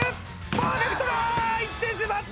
パーフェクトがいってしまった！